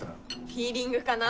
フィーリングかな。